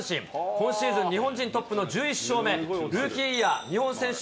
今シーズン、日本人トップの１１勝目、ルーキーイヤー日本人選手